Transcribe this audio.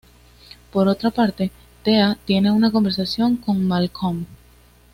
Por otra parte, Thea tiene una conversación con Malcolm.